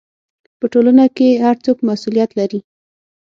په ټولنه کې هر څوک مسؤلیت لري.